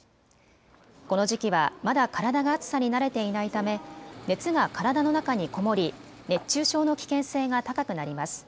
この時期はまだ体が暑さに慣れていないため熱が体の中に籠もり熱中症の危険性が高くなります。